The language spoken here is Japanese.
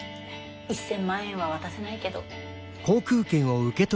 １，０００万円は渡せないけど。